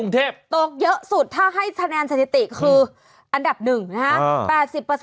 ตกเยอะสุดถ้าให้คะแนนสถิติคืออันดับ๑นะฮะ